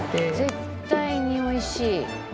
絶対に美味しい。